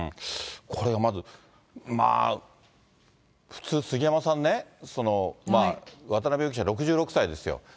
これがまず、まあ普通、杉山さんね、渡辺容疑者６６歳ですよ。